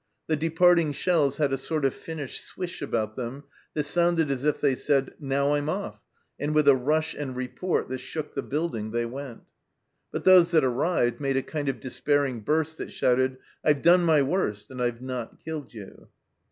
The departing shells had a sort of finished swish about them that sounded as if they said, " Now I'm off," and with a rush and report that shook the building they went ; but those that arrived made a kind of despairing burst that shouted, " I've done my worst, and I've not killed you."